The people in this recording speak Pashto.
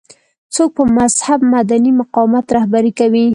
څوک به مهذب مدني مقاومت رهبري کوي.